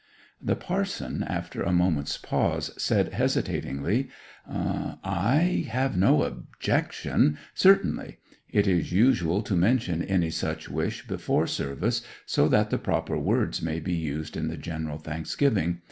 The parson, after a moment's pause, said hesitatingly, 'I have no objection; certainly. It is usual to mention any such wish before service, so that the proper words may be used in the General Thanksgiving.